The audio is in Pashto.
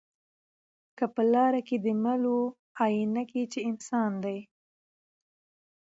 که په لاره کی دي مل وو آیینه کي چي انسان دی